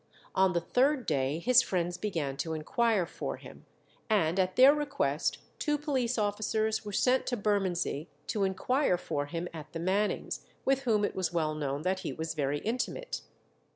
On the third day his friends began to inquire for him, and at their request two police officers were sent to Bermondsey to inquire for him at the Mannings, with whom it was well known that he was very intimate.